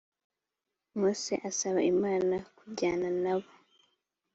mose asaba imana kujyana na bo